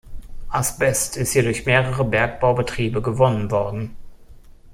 Asbest ist hier durch mehrere Bergbaubetriebe gewonnen worden.